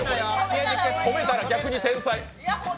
止めたら逆に天才。